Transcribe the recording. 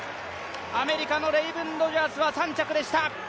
アメリカのレイブン・ロジャースは３着でした。